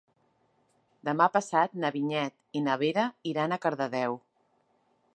Demà passat na Vinyet i na Vera iran a Cardedeu.